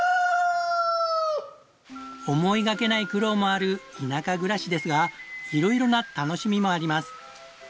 思いがけない苦労もある田舎暮らしですがいろいろな楽しみもあります。